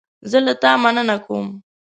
زه له تا مننه کوم.